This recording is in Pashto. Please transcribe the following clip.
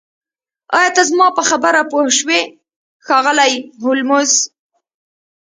ایا ته زما په خبره پوه شوې ښاغلی هولمز